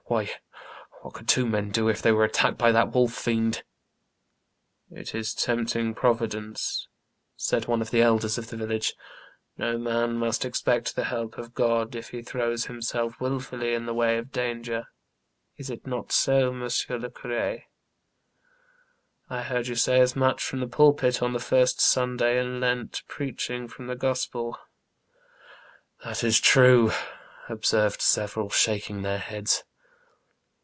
Why, what could two men do if they were attacked by that wolf fiend ?"It is tempting Providence," said one of the elders of the village ;" no man must expect the help of God if he throws himself wUfully in the way of danger. Is it not so, M. le Cur6 ? I heard you say as much from the pulpit on the first Sunday in Lent, preaching from the Gospel." " That is true," observed several, shaking their heads.